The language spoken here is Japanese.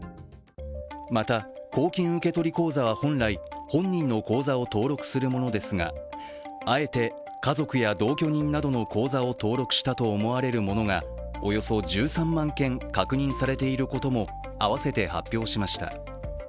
また、公金受取口座は本来本人の口座を登録するものですが、あえて家族や同居人などの口座を登録したと思われるものがおよそ１３万件確認されていることも合わせて発表しました。